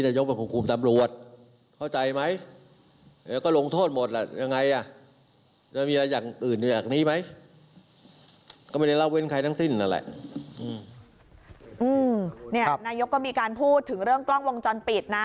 นายกก็มีการพูดถึงเรื่องกล้องวงจรปิดนะ